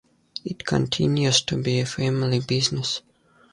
It continues to be a family business.